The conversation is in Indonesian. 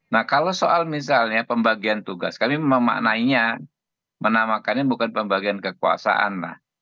nah kalau soal misalnya pembagian tugas kami memaknainya menamakannya bukan pembagian kekuasaan